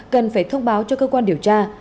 cần phải thông báo cho cơ quan điều tra